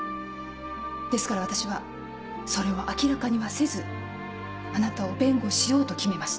ですから私はそれを明らかにはせずあなたを弁護しようと決めました。